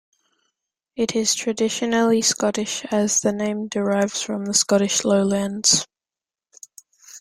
It is traditionally Scottish as the name derives from the Scottish Lowlands.